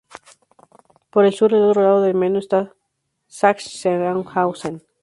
Por el sur, al otro lado del Meno, está Sachsenhausen.